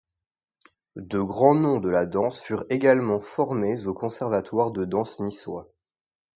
De grand noms de la danse furent également formés au Conservatoire de danse niçois.